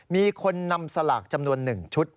มีคนนำสลากจำนวน๑ชุด